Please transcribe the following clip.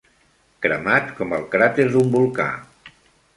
Cremat com el cràter d'un volcà.